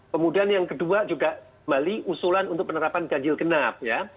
kemudian yang kedua juga mali usulan untuk penerapan gagil kenap ya